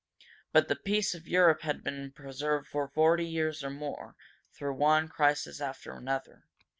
But the peace of Europe had been preserved for forty years or more, through one crisis after another.